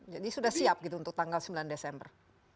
jadi sudah siap gitu untuk tanggal sembilan desember